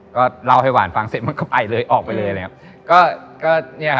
ก็เล่าให้หวานฟังเสร็จมันก็ไปเลยออกไปเลย